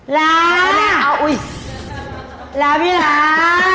ล้าล้าพี่ล้า